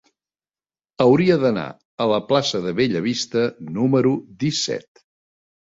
Hauria d'anar a la plaça de Bellavista número disset.